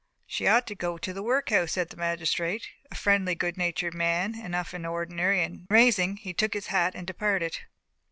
"She ought to go to the workhouse," said the magistrate a friendly, good natured man enough in ordinary and rising, he took his hat and departed.